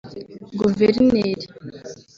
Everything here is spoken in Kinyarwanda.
Guverineri